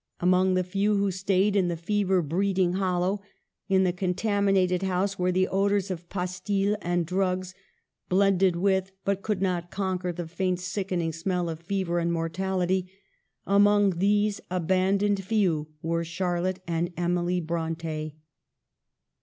Among the few who stayed in the fever breeding hollow, in the contaminated house, where the odors of pastilles and drugs blended with, but could not conquer, the faint sickening smell of fever and mortality, among these abandoned few were Charlotte and Emily Bronte.